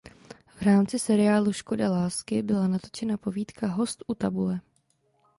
V rámci seriálu "Škoda lásky" byla natočena povídka "Host u tabule".